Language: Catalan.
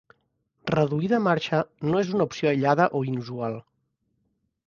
Reduir de marxa no és una opció aïllada o inusual.